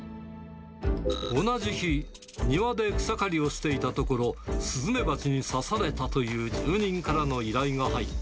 同じ日、庭で草刈りをしていたところ、スズメバチに刺されたという住人からの依頼が入った。